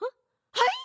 はい！？